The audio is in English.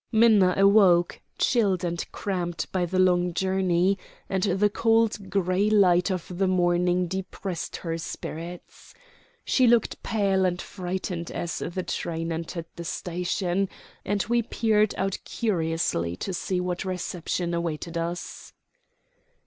Minna awoke, chilled and cramped by the long journey, and the cold gray light of the morning depressed her spirits. She looked pale and frightened as the train entered the station, and we peered out curiously to see what reception awaited us.